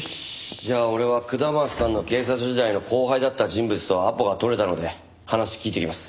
じゃあ俺は下松さんの警察時代の後輩だった人物とアポが取れたので話聞いてきます。